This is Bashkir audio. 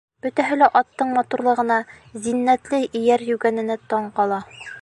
Бөтәһе лә аттың матурлығына, зиннәтле эйәр-йүгәненә таң ҡала.